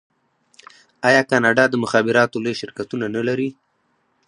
آیا کاناډا د مخابراتو لوی شرکتونه نلري؟